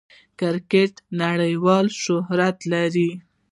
کرکټ نړۍوال شهرت لري.